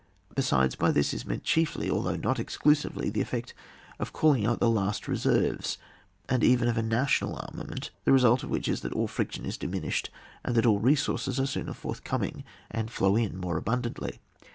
Besides by this is meant chiefly, although not exclusively, the effect of calling out the last Beserves, and even of a national armament, the result of which is that all friction is diminished, and that all resources are sooner forthcoming and flow in more abundantly.